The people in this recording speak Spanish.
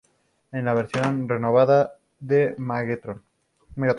Es la versión renovada de Megatron.